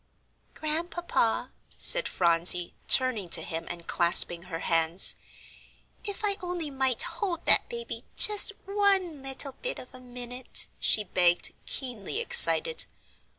"Grandpapa," said Phronsie, turning to him and clasping her hands, "if I only might hold that baby just one little bit of a minute," she begged, keenly excited.